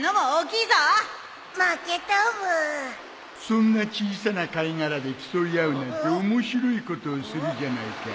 そんな小さな貝殻で競い合うなんて面白いことをするじゃないか